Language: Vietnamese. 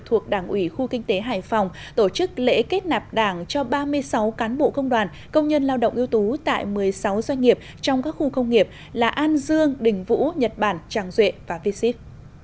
thuộc đảng ủy khu kinh tế hải phòng tổ chức lễ kết nạp đảng cho ba mươi sáu cán bộ công đoàn công nhân lao động ưu tú tại một mươi sáu doanh nghiệp trong các khu công nghiệp là an dương đình vũ nhật bản tràng duệ và v sip